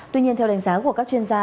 tuy nhiên theo đánh giá của các chuyên gia